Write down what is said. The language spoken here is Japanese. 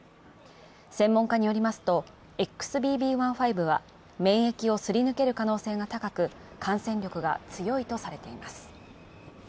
専門家によりますと、ＸＢＢ．１．５は免疫をすり抜ける可能性が高く、感染力が強いとされています。